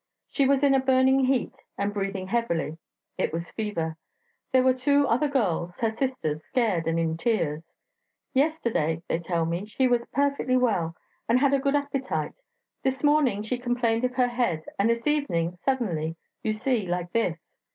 She was in a burning heat, and breathing heavily it was fever. There were two other girls, her sisters, scared and in tears. 'Yesterday,' they tell me, 'she was perfectly well and had a good appetite; this morning she complained of her head, and this evening, suddenly, you see, like this.'